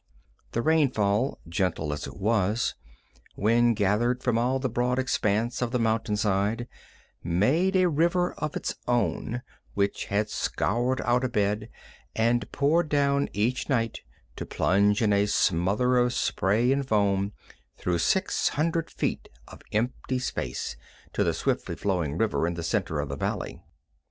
The rainfall, gentle as it was, when gathered from all the broad expanse of the mountainside, made a river of its own, which had scoured out a bed, and poured down each night to plunge in a smother of spray and foam through six hundred feet of empty space to the swiftly flowing river in the center of the valley.